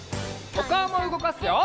おかおもうごかすよ！